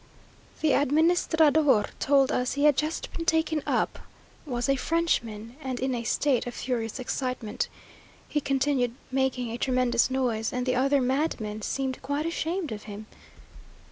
The administrador told us he had just been taken up, was a Frenchman, and in a state of furious excitement. He continued making a tremendous noise, and the other madmen seemed quite ashamed of him.